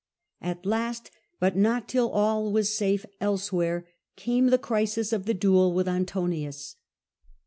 At last, but not till all was safe elsewhere, came the crisis of the duel with Antonius.